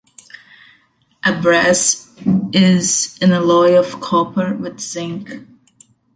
A brass is an alloy of copper with zinc.